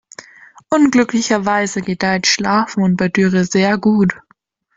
Unglücklicherweise gedeiht Schlafmohn bei Dürre sehr gut.